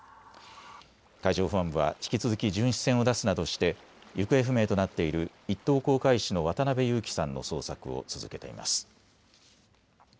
海上保安部は引き続き巡視船を出すなどして行方不明となっている、一等航海士の渡辺侑樹さんの捜索を続けています。